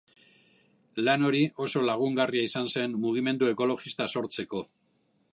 Lan hori oso lagungarria izan zen mugimendu ekologista sortzeko.